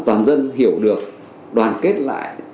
toàn dân hiểu được đoàn kết lại